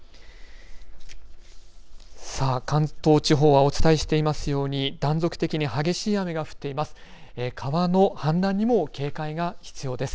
関東地方はお伝えしていますように断続的に激しい雨が降っています。